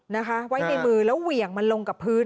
นะคะไว้ในมือแล้วเหวี่ยงมันลงกับพื้น